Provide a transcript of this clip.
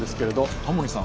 タモリさん